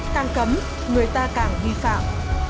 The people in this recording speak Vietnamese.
càng cấm người ta càng vi phạm